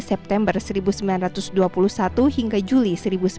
september seribu sembilan ratus dua puluh satu hingga juli seribu sembilan ratus sembilan puluh